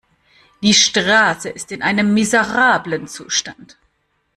Die Straße ist in einem miserablen Zustand.